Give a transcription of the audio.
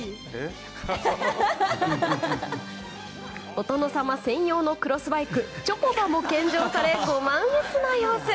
お殿様専用のクロスバイクちょこ馬も献上されてご満悦な様子。